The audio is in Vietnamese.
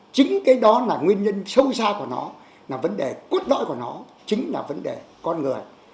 chính cái đó là nguyên nhân sâu xa của nó là vấn đề cốt lõi của nó chính là vấn đề con người